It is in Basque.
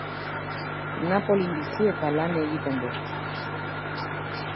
Napolin bizi eta lan egiten du.